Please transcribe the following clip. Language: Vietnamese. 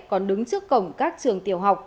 còn đứng trước cổng các trường tiểu học